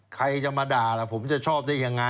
ใครจะมาด่าล่ะผมจะชอบได้ยังไง